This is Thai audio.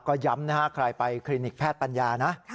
ก็ย้ำนะฮะใครไปคลินิกแพทย์ปัญญานะ